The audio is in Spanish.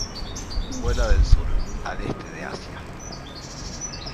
Vuela del sur al este de Asia.